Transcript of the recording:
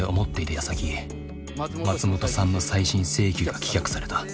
やさき松本さんの再審請求が棄却された。